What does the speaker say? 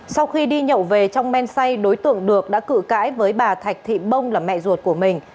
sau khi đi nhậu về trong men say đối tượng được đã cự cãi với bà thạch thị bông là mẹ ruột của mình